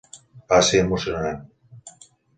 Va ser emocionant.